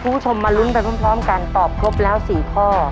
ผู้ชมมารุ้นไปพร้อมการตอบครบแล้วสี่ข้อ